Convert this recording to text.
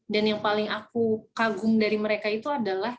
dan yang paling aku kagum dari mereka itu adalah